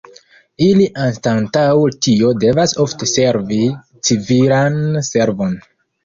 Ili anstataŭ tio devas ofte servi civilan servon.